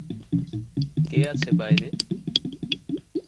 কে আছে বাইরে?